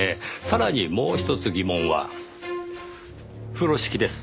さらにもうひとつ疑問は風呂敷です。